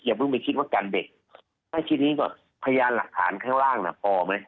อย่าเพิ่งจะคิดว่ากันเด็กไม่คิดเลยก็พยานหลักฐานข้างล่างพอ